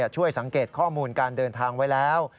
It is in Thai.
ช่วยสังเกตข้อมูลการเดินทางไว้แล้ว